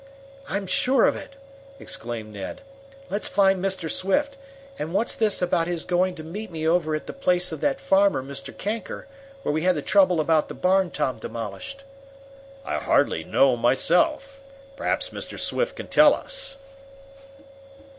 "I'm sure of it!" exclaimed Ned. "Let's find Mr. Swift. And what's this about his going to meet me over at the place of that farmer, Mr. Kanker, where we had the trouble about the barn Tom demolished?" "I hardly know, myself. Perhaps Mr. Swift can tell us."